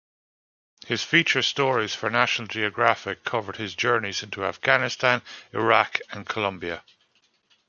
His feature stories for National Geographic covered his journeys into Afghanistan, Iraq and Colombia.